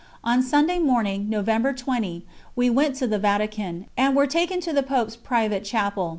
On Sunday morning, November 20, we went to the Vatican, and were taken to the Pope's private chapel.